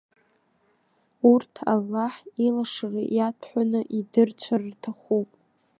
Урҭ Аллаҳ илашара иаҭәҳәаны идырцәар рҭахуп.